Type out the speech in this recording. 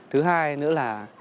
thứ hai nữa là